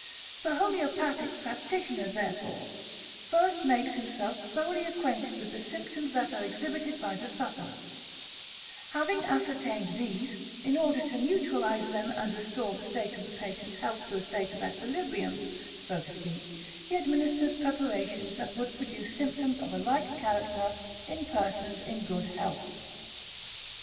The homoeopathic practitioner, therefore, first makes himself thoroughly acquainted with the symptoms that are exhibited by the sufferer; having ascertained these, in order to neutralize them and restore the state of the patient's health to a state of equilibrium, so to speak, he administers preparations that would produce symptoms of a like character in persons in good health.